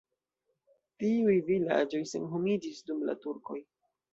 Tiuj vilaĝoj senhomiĝis dum la turkoj.